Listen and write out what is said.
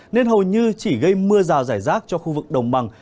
nên hầu như chỉ gây mưa rào rải rác cho khu vực đồng bằng